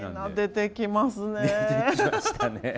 出てきましたね。